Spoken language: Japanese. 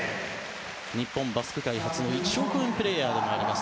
日本バスケ界初の１億円プレーヤーでもあります